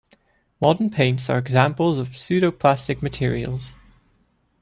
Modern paints are examples of pseudoplastic materials.